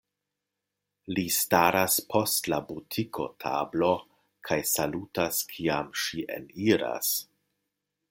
Li staras post la butikotablo kaj salutas, kiam ŝi eniras.